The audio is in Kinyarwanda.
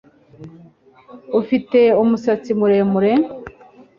afite umusatsi muremure